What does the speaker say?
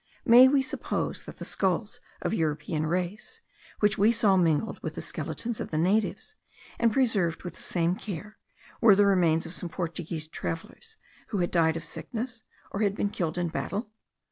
May we suppose that the skulls of European race, which we saw mingled with the skeletons of the natives, and preserved with the same care, were the remains of some Portuguese travellers who had died of sickness, or had been killed in battle?